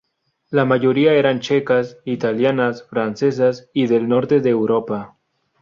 La mayoría eran checas, italianas, francesas y del norte de Europa.